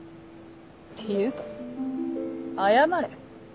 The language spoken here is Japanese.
っていうか謝れ。